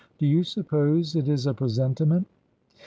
Do you suppose it is a presentiment